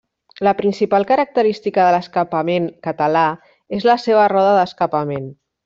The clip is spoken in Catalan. La principal característica de l'escapament català és la seva roda d'escapament.